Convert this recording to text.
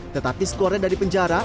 tetapi setelah keluar dari penjara